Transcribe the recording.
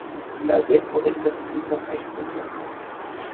La beko estas dika kaj kurba.